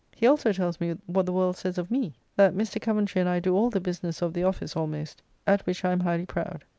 He also tells me what the world says of me, "that Mr. Coventry and I do all the business of the office almost:" at which I am highly proud.